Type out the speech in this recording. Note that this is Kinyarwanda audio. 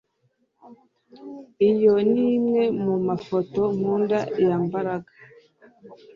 Iyo ni imwe mu mafoto nkunda ya Mbaraga